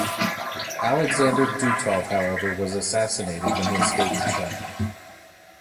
Alexander Dutov however was assassinated when he escaped to China.